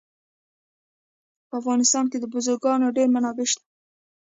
په افغانستان کې د بزګانو ډېرې منابع شته.